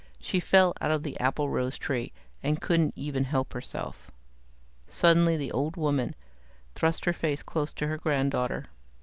She fell out of the applerose tree, and couldn't even help herself." Suddenly the old woman thrust her face close to her granddaughter.